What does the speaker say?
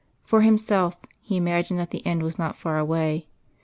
For himself, he imagined that the end was not far away.